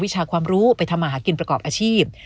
ทำรู้ไปทำหากินประกอบอาชีพ